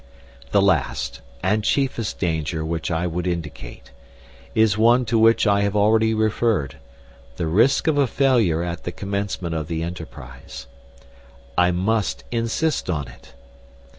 The last, and chiefest danger which I would indicate, is one to which I have already referred the risk of a failure at the commencement of the enterprise. I must insist on it.